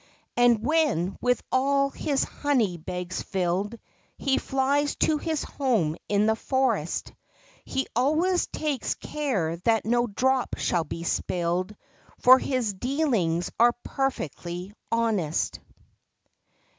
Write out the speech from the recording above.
And when, with all of his honey bags filled, He flies to his home in the forest, He always takes care that no drop shall be spilled, For his dealings are perfectly honest.